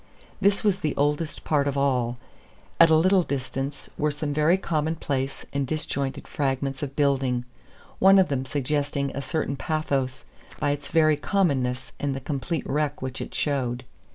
This was the oldest part of all. At a little distance were some very commonplace and disjointed fragments of building, one of them suggesting a certain pathos by its very commonness and the complete wreck which it showed.